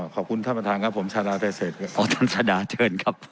ขอบคุณท่านประธานครับผมชาดาไตเศษครับอ๋อท่านชาดาเชิญครับ